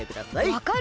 わかる？